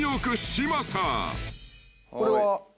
これは？